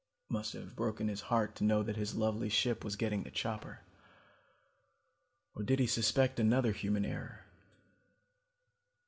It must have broken his heart to know that his lovely ship was getting the chopper. Or did he suspect another human error?